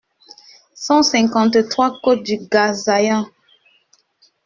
cent cinquante-trois côte du Gasaillant